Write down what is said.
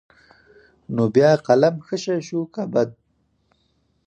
نو بيا قلم ښه شى شو که بد.